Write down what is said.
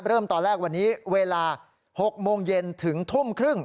เริ่มตอนแรกวันนี้เวลา๖โมงเย็นถึงทุ่มครึ่ง